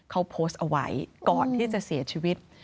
เขาโพสต์เอาไว้ก่อนที่จะเสียชีวิต